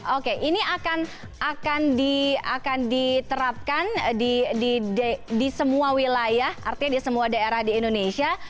oke ini akan diterapkan di semua wilayah artinya di semua daerah di indonesia